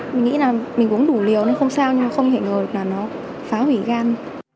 mình nghĩ là mình uống đủ liều nên không sao nhưng mà không thể ngờ là nó phá hủy gan